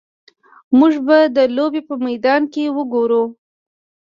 موږ به د لوبې په میدان کې وګورو